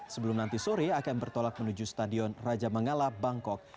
sebelum nanti sore akan bertolak menuju stadion raja mangala bangkok